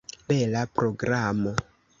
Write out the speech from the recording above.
Bela programo!